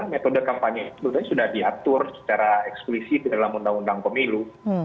metode kampanye itu sebenarnya sudah diatur secara eksklusif di dalam undang undang pemilu